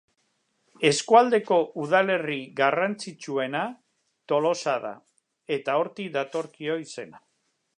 Eskualdeko udalerri garrantzitsuena Tolosa da, eta hortik datorkio izena.